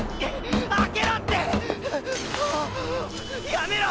やめろ！！